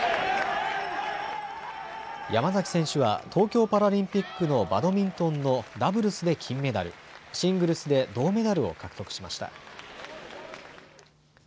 山崎選手は東京パラリンピックのバドミントンのダブルスで金メダル、シングルスで銅メダルを獲得しました。